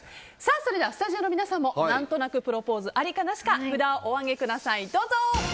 それでは、スタジオの皆さんも何となくプロポーズありかなしか札をお上げください。